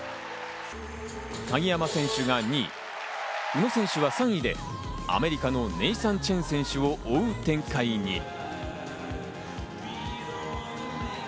鍵山選手が２位、宇野選手は３位でアメリカのネイサン・チェン選手を追う展開に。